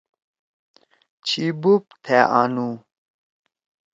چھی بوپ تھأ آنُو۔